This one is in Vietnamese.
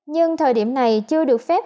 nhưng thời điểm này chưa được phép